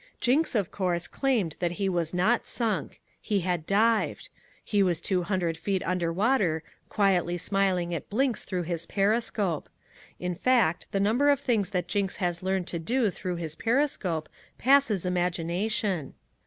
Jinks of course claimed that he was not sunk. He had dived. He was two hundred feet under water quietly smiling at Blinks through his periscope. In fact the number of things that Jinks has learned to do through his periscope passes imagination.